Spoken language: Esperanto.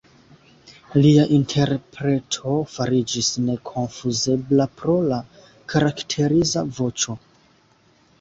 Lia interpreto fariĝis nekonfuzebla pro la karakteriza voĉo.